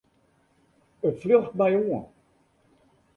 It fljocht my oan.